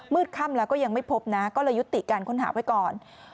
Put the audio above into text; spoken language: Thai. ค่ำแล้วก็ยังไม่พบนะก็เลยยุติการค้นหาไว้ก่อน